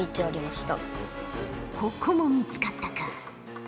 ここも見つかったか。